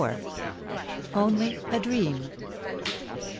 ONLY A DREAM.